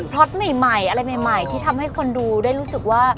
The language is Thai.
็อตใหม่อะไรใหม่ที่ทำให้คนดูได้รู้สึกว่า